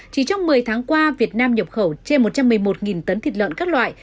chỉ trong một mươi tháng qua việt nam nhập khẩu trên một trăm một mươi một tấn thịt lợn các loại